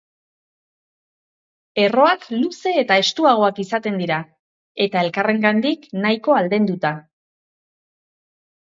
Erroak luze eta estuagoak izaten dira, eta elkarrengandik nahiko aldenduta.